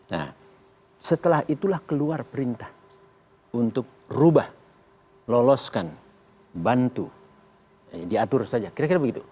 nah setelah itulah keluar perintah untuk rubah loloskan bantu diatur saja kira kira begitu